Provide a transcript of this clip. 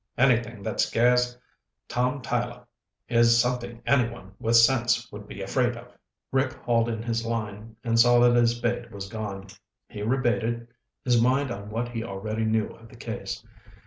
Anything that scares Tom Tyler is something anyone with sense would be afraid of." Rick hauled in his line and saw that his bait was gone. He rebaited, his mind on what he already knew of the case.